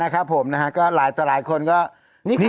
อ๋อครับผมนะฮะตราลีเค้านี่ใคร